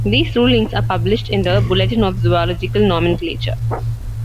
These rulings are published in the Bulletin of Zoological Nomenclature.